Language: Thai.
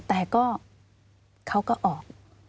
แต่ก็เขาก็ออก